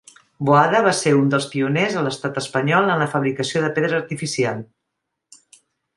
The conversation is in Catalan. Boada va ser un dels pioners a l'estat Espanyol en la fabricació de pedra artificial.